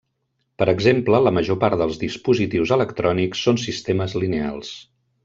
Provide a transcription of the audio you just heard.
Per exemple, la major part dels dispositius electrònics són sistemes lineals.